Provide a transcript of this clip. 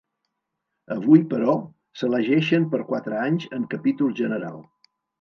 Avui, però, s'elegeixen per quatre anys en capítol general.